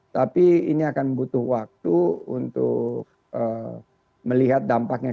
tapi ini akan butuh waktu untuk melihat dampaknya